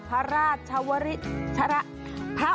พระราชชาลวิธรพพระ